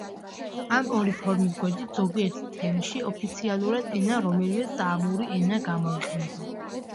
ამ ორი ფორმის გვერდით ზოგიერთ თემში ოფიციალურ ენად რომელიმე საამური ენა გამოიყენება.